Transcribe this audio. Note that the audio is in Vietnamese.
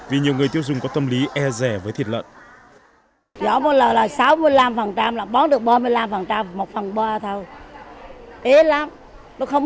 vì nhiều người tiêu dùng có tâm lý e rẻ với thịt lợn